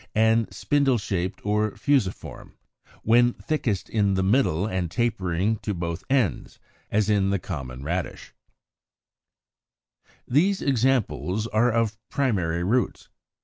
83); and Spindle shaped, or Fusiform, when thickest in the middle and tapering to both ends; as the common Radish (Fig. 85). 76. These examples are of primary roots.